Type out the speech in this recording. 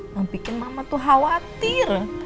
yang bikin mama tuh khawatir